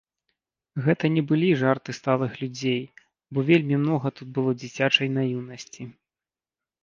Гэта не былі жарты сталых людзей, бо вельмі многа тут было дзіцячай наіўнасці.